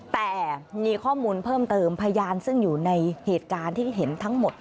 แต่มีข้อมูลเพิ่มเติมพยานซึ่งอยู่ในเหตุการณ์ที่เห็นทั้งหมด